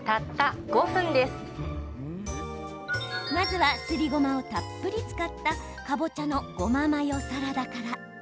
まずは、すりごまをたっぷり使ったかぼちゃのごまマヨサラダから。